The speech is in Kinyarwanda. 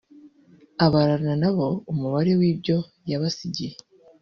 abarana na bo umubare w’ibyo yabasigiye